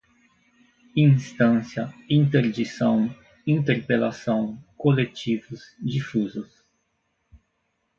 instância, interdição, interpelação, coletivos, difusos